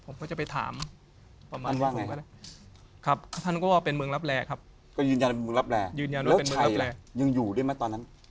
แล้วชัยยังอยู่ด้วยไหมตอนนั้น